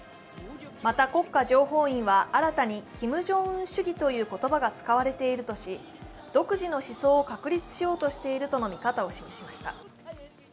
また国家情報院は新たにキム・ジョンウン主義という言葉が使われているとし、独自の思想を確立しようとしているとの見方を示しました。